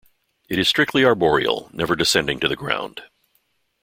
It is strictly arboreal, never descending to the ground.